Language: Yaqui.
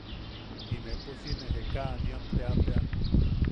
Inepo si nee Jekaaniam teapean;.